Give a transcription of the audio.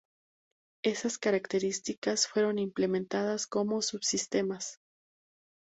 Esas características fueron implementadas como subsistemas.